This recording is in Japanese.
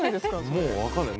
もうわかんない。